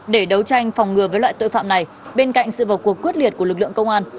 để đấu tranh phòng ngừa với loại tội phạm này bên cạnh sự vào cuộc quyết liệt của lực lượng công an